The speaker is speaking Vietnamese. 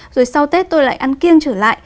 rồi sau tết tôi lại ăn kiêng trở lại